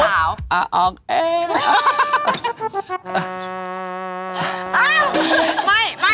แล้วเราจะมองเขาไงอะสมมุติว่าสาว